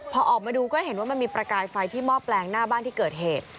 พอออกมาดูก็เห็นว่ามันมีประกายไฟที่หม้อแปลงหน้าบ้านที่เกิดเหตุ